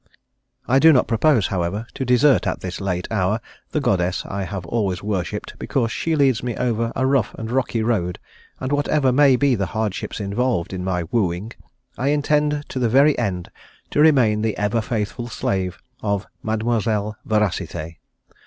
I do not propose, however, to desert at this late hour the Goddess I have always worshipped because she leads me over a rough and rocky road, and whatever may be the hardships involved in my wooing I intend to the very end to remain the ever faithful slave of Mademoiselle Veracité.